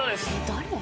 誰？